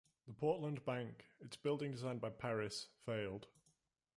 The Portland Bank, its building designed by Parris, failed.